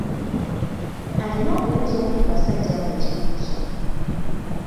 Alina okubuuza omu ku basajja abo ekibuuzo.